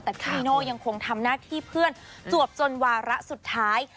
แต่พี่นิโน่ยังคงทำหน้าที่เพื่อนจวบจนวาระสุดท้าย